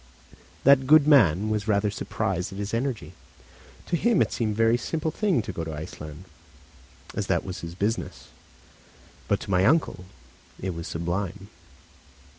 That good man was rather surprised at his energy. To him it seemed a very simple thing to go to Iceland, as that was his business; but to my uncle it was sublime.